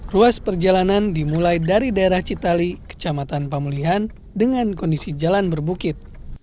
ruas perjalanan dimulai dari daerah citali kecamatan pamulihan dengan kondisi jalan berbukit